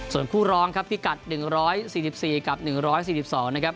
ส่วนคู่ร้องครับพิกัด๑๔๔กับ๑๔๒นะครับ